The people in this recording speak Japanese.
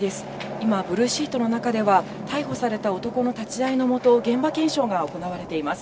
今、ブルーシートの中では、逮捕された男の立ち会いのもと、現場検証が行われています。